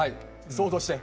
想像して。